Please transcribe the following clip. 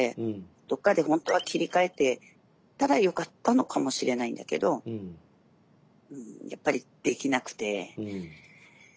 どっかで本当は切り替えてたらよかったのかもしれないんだけどやっぱりできなくて。